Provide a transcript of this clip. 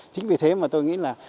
chính vì thế mà tôi nghĩ là